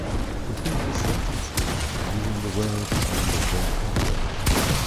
Complete the sentences using the words from the vocabulary